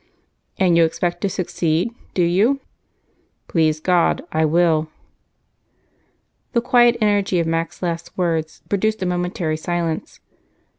"And you expect to succeed, do you?" "Please God, I will." The quiet energy of Mac's last words produced a momentary silence.